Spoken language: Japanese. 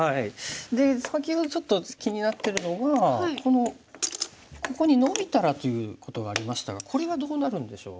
で先ほどちょっと気になってるのはこのここにノビたらということがありましたがこれはどうなるんでしょう？